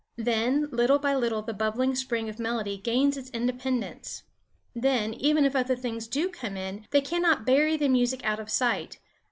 Then little by little the bubbling spring of melody gains its independence; then, even if other things do come in, they cannot bury the music out of sight.